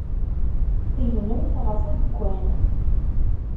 Tegnemt ɣef udekkan.